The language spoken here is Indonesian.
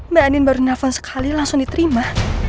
mbak andin baru nelfon sekali langsung diterima